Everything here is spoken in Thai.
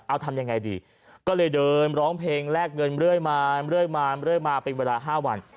เอาทำยังไงดีก็เลยเดินร้องเพลงแลกเงินเรื่อยมาเป็นเวลา๕วัน